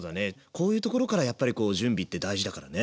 こういうところからやっぱり準備って大事だからね。